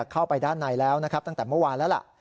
เข้าไปด้านในแล้วตั้งแต่เมื่อวานแล้ว